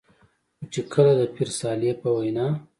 خو چې کله د پير صالح په وېنا